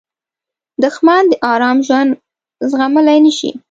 دښمن د آرام ژوند زغملی نه شي